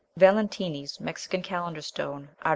(Valentini's "Mexican Calendar Stone," art.